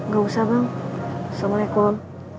gak usah bang assalamualaikum